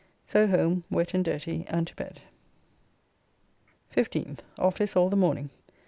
So home, wet and dirty, and to bed. 15th. Office all the morning.